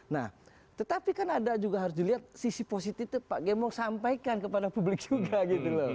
nah tetapi kan ada juga harus dilihat sisi positifnya pak gembong sampaikan kepada publik juga gitu loh